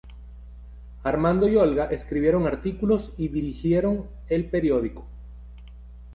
Armando y Olga escribieron artículos y dirigieron el periódico.